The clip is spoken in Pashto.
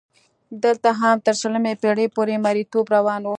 دلته هم تر شلمې پېړۍ پورې مریتوب روان و.